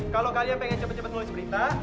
kalau kalian pengen cepat cepat menulis berita